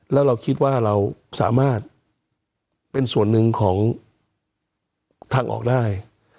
แล้วเราคิดว่าเราสามารถเป็นส่วนหนึ่งของทางออกได้